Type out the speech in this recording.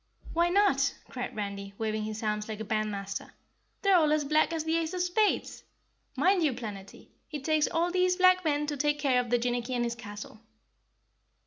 "Why not?" cried Randy, waving his arms like a bandmaster. "They're all as black as the ace of spades. Mind you, Planetty, it takes all these black men to take care of Jinnicky and his castle."